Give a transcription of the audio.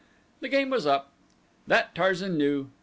The game was up. That Tarzan knew.